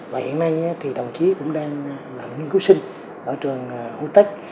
và hiện nay thì đồng chí cũng đang làm nghiên cứu sinh ở trường hồ tách